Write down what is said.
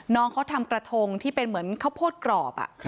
น้องเขาทำกระทงที่เป็นเหมือนข้าวโพดกรอบ